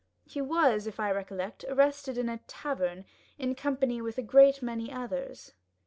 He was, if I recollect, arrested in a tavern, in company with a great many others."